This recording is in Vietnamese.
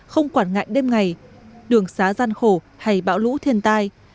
không quản ngại đêm ngày đường xá gian khổ hay bão lũ thiên tai